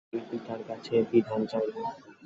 তিনি পিতার কাছে বিধান চাইলেন।